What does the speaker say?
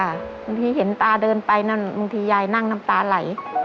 บางทีเห็นตาเดินไปนั่นบางทียายนั่งน้ำตาไหล